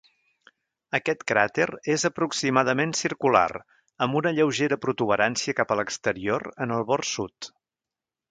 Aquest cràter és aproximadament circular, amb una lleugera protuberància cap a l'exterior en el bord sud